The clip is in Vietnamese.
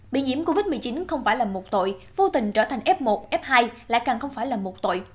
bị nhiễm covid một mươi chín không phải là một tội vô tình trở thành f một f hai lại càng không phải là một tội